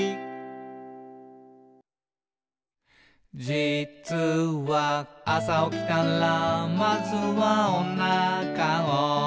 「じつは、朝起きたらまずはおなかを」